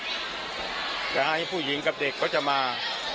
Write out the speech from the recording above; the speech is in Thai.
เดี๋ยวให้ผู้หญิงกับเด็กเขาจะมา